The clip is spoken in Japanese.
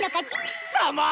貴様！